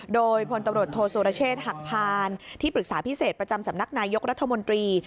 โดยพลตำรวจโทษสุรเชษฐ์หักพานที่ปรึกษาพิเศษประจำสำนักนายกรัฐมนตรี